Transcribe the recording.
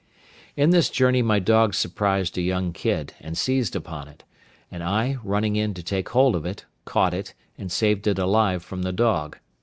In this journey my dog surprised a young kid, and seized upon it; and I, running in to take hold of it, caught it, and saved it alive from the dog.